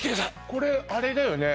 これあれだよね